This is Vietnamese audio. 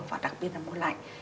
và đặc biệt là mùa lạnh